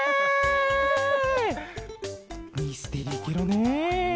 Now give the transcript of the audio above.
ミステリーケロね！